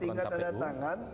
tinggal tanda tangan